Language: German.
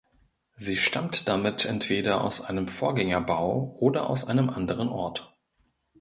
Sie stammt damit entweder aus einem Vorgängerbau oder aus einem anderen Ort.